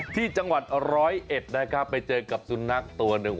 ที่จังหวัดร้อยเอ็ดนะครับไปเจอกับสุนัขตัวหนึ่ง